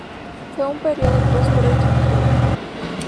Fue un periodo próspero y tranquilo.